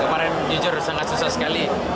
kemarin jujur sangat susah sekali